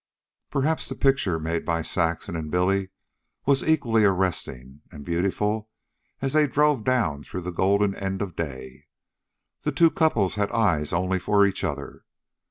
Perhaps the picture made by Saxon and Billy was equally arresting and beautiful, as they drove down through the golden end of day. The two couples had eyes only for each other.